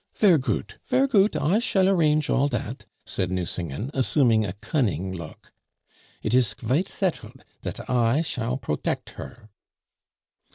"Ver' goot, ver' goot, I shall arrange all dat," said Nucingen, assuming a cunning look. "It is qvite settled dat I shall protect her."